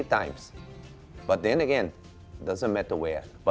กินกว่าแต่กว่าเวลา